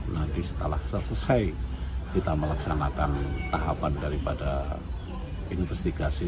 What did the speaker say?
nanti setelah selesai kita melaksanakan tahapan daripada investigasi